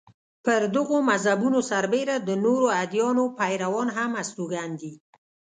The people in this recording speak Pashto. پر دغو مذهبونو سربېره د نورو ادیانو پیروان هم استوګن دي.